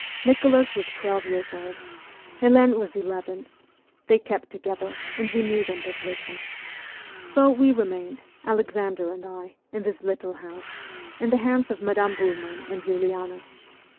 Nicholas was twelve years old, Helene was eleven ; they kept together, and we knew them but little. So we re mained, Alexander and I, in this little house, in the hands of Madame Burman and Uliana.